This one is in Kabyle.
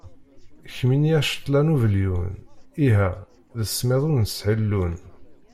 Kemmini a cetla n ubelyun, iha d smid ur nesɛi llun.